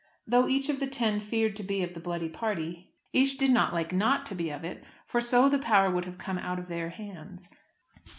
Though each of the ten feared to be of the bloody party, each did not like not to be of it, for so the power would have come out of their hands.